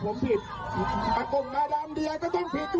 อันนี้ให้มันตอบได้ถูกไหมครับ